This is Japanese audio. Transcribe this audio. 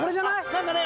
何かね